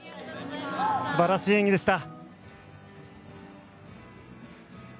素晴らしい演技でした。